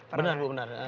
benar bu benar